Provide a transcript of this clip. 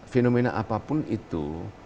fenomena apapun itu